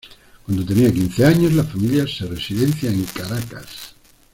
Cuando tenía quince años, la familia se residencia en Caracas.